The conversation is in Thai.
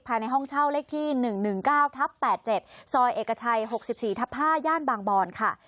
ภายในห้องเช่าเลขที่๑๑๙ทับ๘๗ซอยเอกชัย๖๔ทับ๕ย่านบางบอนค่ะ